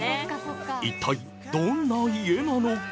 一体どんな家なのか？